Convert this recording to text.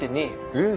えっ？